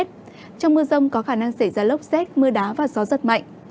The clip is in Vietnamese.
trong mưa rông có khả năng xảy ra lốc xét mưa đá và gió rất mạnh